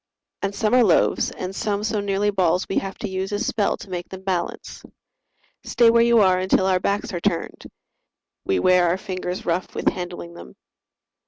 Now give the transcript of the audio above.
And some are loaves and some so nearly balls We have to use a spell to make them balance: "Stay where you are until our backs are turned!" We wear our fingers rough with handling them.